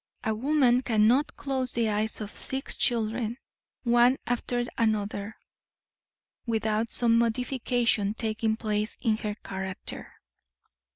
A woman cannot close the eyes of six children, one after the other, without some modification taking place in her character."